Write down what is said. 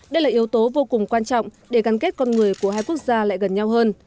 đây là yếu tố vô cùng quan trọng để gắn kết con người của hai quốc gia lại gần nhau hơn